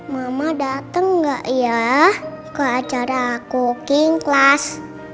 mama datang gak ya ke acara cooking class